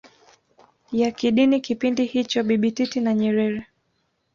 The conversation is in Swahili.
ya kidini kipindi hicho Bibi Titi na Nyerere